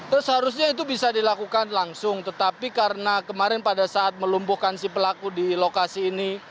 terus seharusnya itu bisa dilakukan langsung tetapi karena kemarin pada saat melumbuhkan si pelaku di lokasi ini